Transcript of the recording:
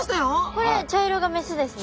これ茶色が雌ですね。